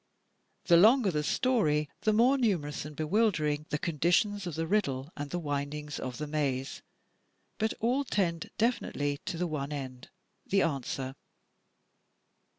The longer the story the more numerous and bewildering the conditions of the riddle and the windings of the maze, but all tend definitely to the one end, — the answer.